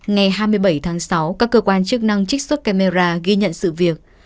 ngày hai mươi bảy tháng sáu các cơ quan chức năng trích xuất camera ghi nhận sự việc